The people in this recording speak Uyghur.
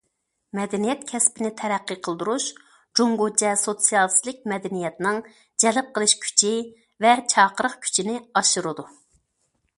مەدەنىيەت كەسپىنى تەرەققىي قىلدۇرۇش جۇڭگوچە سوتسىيالىستىك مەدەنىيەتنىڭ جەلپ قىلىش كۈچى ۋە چاقىرىق كۈچىنى ئاشۇرىدۇ.